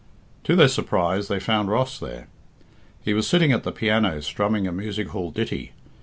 To their surprise they found Ross there. He was sitting at the piano strumming a music hall ditty.